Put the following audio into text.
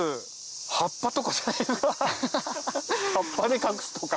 葉っぱで隠すとか。